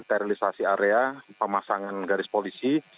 sterilisasi area pemasangan garis polisi